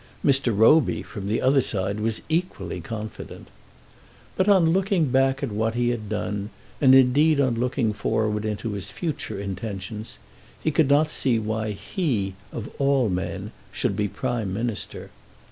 Mr. Roby, from the other side, was equally confident. But, on looking back at what he had done, and indeed on looking forward into his future intentions, he could not see why he, of all men, should be Prime Minister.